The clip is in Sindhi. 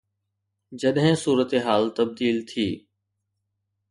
جڏهن صورتحال تبديل ٿي.